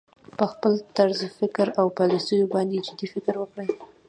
په خپل طرز تفکر او پالیسیو باندې جدي فکر وکړي